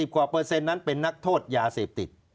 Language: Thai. กว่าเปอร์เซ็นต์นั้นเป็นนักโทษยาเสพติด